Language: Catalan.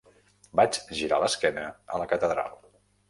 Vaig girar l'esquena a la catedral